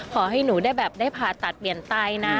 ขอให้หนูได้ผ่าตัดเปลี่ยนไตนะ